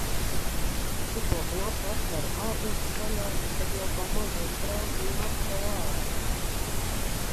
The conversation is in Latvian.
Tikko knapi atveru ārdurvis vaļā, kad jau pa mazo spraudziņu atkal ārā.